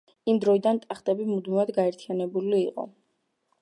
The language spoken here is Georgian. იმ დროიდან ტახტები მუდმივად გაერთიანებული იყო.